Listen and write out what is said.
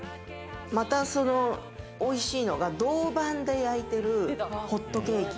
またそのおいしいのが銅板で焼いてるホットケーキ。